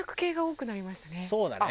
そうだね。